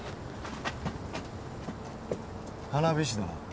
花火師だな？